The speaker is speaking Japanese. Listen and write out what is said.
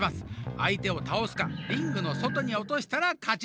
あいてを倒すかリングのそとに落としたら勝ち。